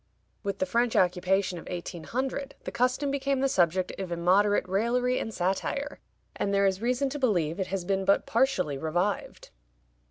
With the French occupation of 1800 the custom became the subject of immoderate raillery and satire, and there is reason to believe it has been but partially revived.